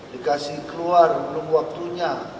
dikasih keluar belum waktunya